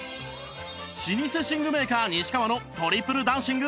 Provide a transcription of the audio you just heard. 老舗寝具メーカー西川のトリプル暖寝具